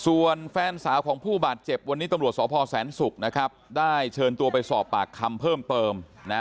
ส่วนแฟนสาวของผู้บาดเจ็บวันนี้ตำรวจสพแสนศุกร์นะครับได้เชิญตัวไปสอบปากคำเพิ่มเติมนะ